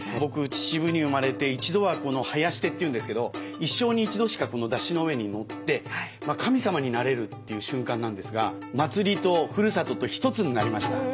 秩父に生まれて一度はこの囃子手っていうんですけど一生に一度しかこの山車の上に乗って神様になれるという瞬間なんですが祭りとふるさとと一つになりました。